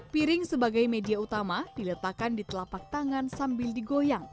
piring sebagai media utama diletakkan di telapak tangan sambil digoyang